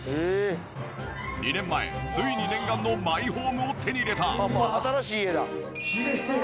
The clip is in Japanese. ２年前ついに念願のマイホームを手に入れた。